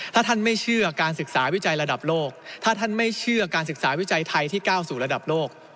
ถ้าท่านไม่เชื่อการศึกษาวิจัยระดับโลกถ้าท่านไม่เชื่อการศึกษาวิจัยไทยที่ก้าวสู่ระดับโลก